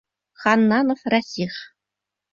Ханнанов Рәсих.